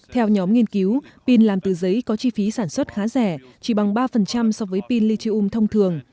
theo nhóm nghiên cứu pin làm từ giấy có chi phí sản xuất khá rẻ chỉ bằng ba so với pin lithium thông thường